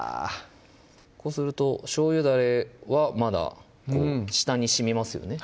こうするとしょうゆだれはまだ下にしみますよね